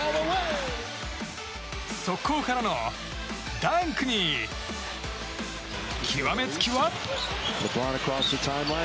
速攻からのダンクに極め付きは。